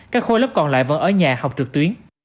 các khối lớp còn lại vẫn ở nhà học trực tuyến